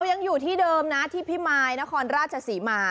ยังอยู่ที่เดิมนะที่พิมายนครราชศรีมา